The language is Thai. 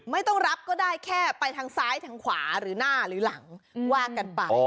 ไม่ต้องรับก็ได้แค่ไปทางซ้ายทางขวาหรือหน้าหรือหลังว่ากันไป